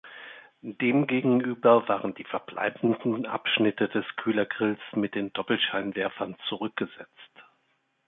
Demgegenüber waren die verbleibenden Abschnitte des Kühlergrills mit den Doppelscheinwerfern zurückgesetzt.